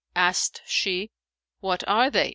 Asked she, "What are they?"